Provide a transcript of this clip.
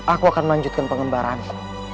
aku akan melanjutkan pengembaraanku